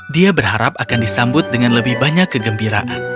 dia berharap akan disambut dengan lebih banyak kegembiraan